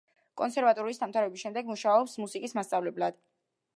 კონსერვატორიის დამთავრების შემდეგ მუშაობს მუსიკის მასწავლებლად.